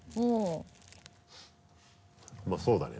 まぁそうだね